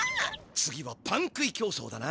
次はパン食い競走だな。